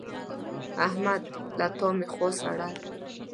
احمد له تا مې خوا سړه ده.